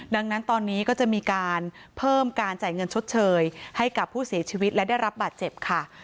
ดังนั้นตอนนี้ก็จะมีการเพิ่มการจ่ายเงินชดเชยให้กับผู้เสียชีวิตและได้รับบาดเจ็บค่ะ